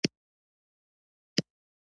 دښته د ملنډو ځای نه دی.